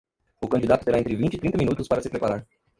O candidato terá entre vinte e trinta minutos para se preparar.